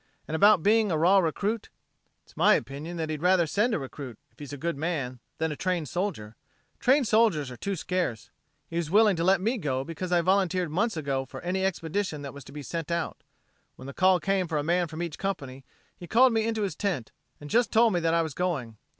And about being a raw recruit.... It's my opinion that he'd rather send a recruit, if he's a good man, than a trained soldier. Trained soldiers are too scarce. He was willing to let me go because I volunteered months ago for any expedition that was to be sent out. When the call came for a man from each company, he called me into his tent, and just told me that I was going.